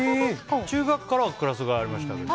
中学からはクラス替えがありました。